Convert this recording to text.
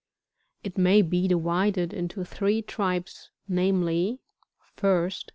29. It may be divided mto three tribes, namely: 1st.